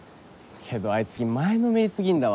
けどあいつ前のめり過ぎんだわ。